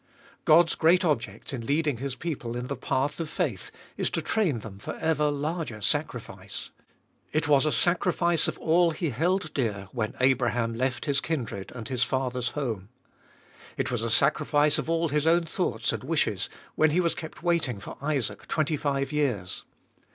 God's great object in leading His people in the path of faith is to train them for ever larger sacrifice. It was a sacrifice of all he held dear when Abraham left his kindred and his father's home. 29 450 Ebe tbolfest of Ell It was a sacrifice of all his own thoughts and wishes, when he was kept waiting for Isaac twenty five years.